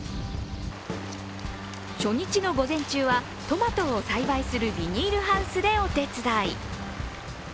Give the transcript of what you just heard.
初日の午前中はトマトを栽培するビニールハウスでお手伝い。